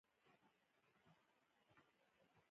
عطرونه د زړه تسکین ورکوي.